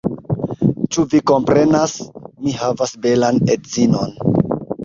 Ĉu vi komprenas? Mi havas belan edzinon